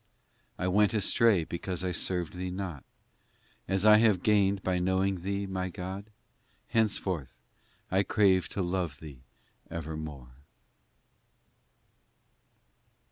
XI I went astray because I served Thee not, As I have gained by knowing Thee, my God ! Henceforth I crave to love Thee ever more